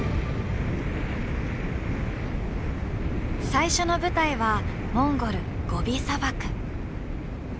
最初の舞台はモンゴルゴビ砂漠。